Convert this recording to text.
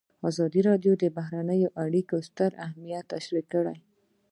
ازادي راډیو د بهرنۍ اړیکې ستر اهميت تشریح کړی.